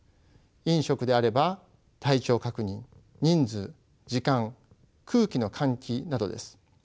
飲食であれば体調確認人数時間空気の換気などです。